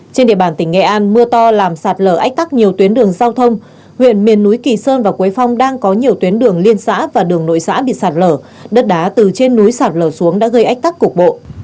trên địa bàn tỉnh nghệ an mưa to làm sạt lở ách tắc nhiều tuyến đường giao thông huyện miền núi kỳ sơn và quế phong đang có nhiều tuyến đường liên xã và đường nội xã bị sạt lở đất đá từ trên núi sạt lở xuống đã gây ách tắc cục bộ